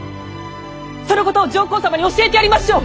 そのことを上皇様に教えてやりましょう！